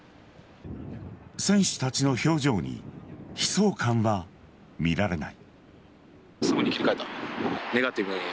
選手たちの表情に悲壮感は見られない。